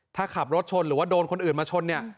ถ้าขับรถชนหรือว่าโดนคนอื่นมาชนเนี่ย